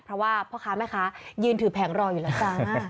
เพราะว่าพ่อค้าแม่ค้ายืนถือแผงรออยู่แล้วจ้า